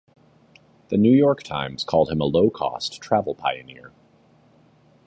The New York Times called him a low-cost travel pioneer.